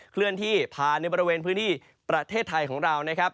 เคลื่อนที่ผ่านในบริเวณพื้นที่ประเทศไทยของเรานะครับ